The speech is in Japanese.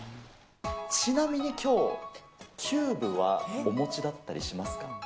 ちなみにきょう、キューブはお持ちだったりしますか？